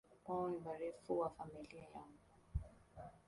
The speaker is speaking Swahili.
Wao ni warefu kwa familia yao